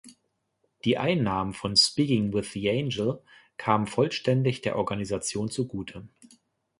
Die Einnahmen von "Speaking With The Angel" kamen vollständig der Organisation zugute.